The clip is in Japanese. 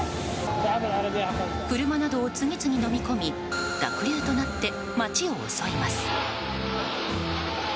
車などを次々のみ込み濁流となって街を襲います。